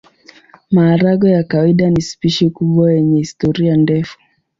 Maharagwe ya kawaida ni spishi kubwa yenye historia ndefu.